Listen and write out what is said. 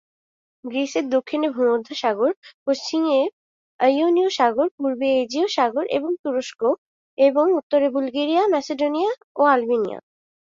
গ্রিসের দক্ষিণে ভূমধ্যসাগর, পশ্চিমে ইয়োনীয় সাগর, পূর্বে এজীয় সাগর ও তুরস্ক এবং উত্তরে বুলগেরিয়া, ম্যাসেডোনিয়া ও আলবেনিয়া।